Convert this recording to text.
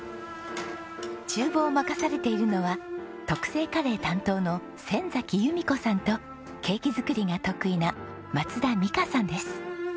厨房を任されているのは特製カレー担当の先由美子さんとケーキ作りが得意な松田美佳さんです。